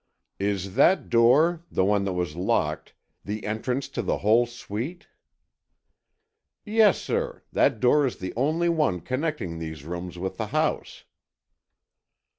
"Is that door, the one that was locked, the entrance to the whole suite?" "Yes, sir, that door is the only one connecting these rooms with the house."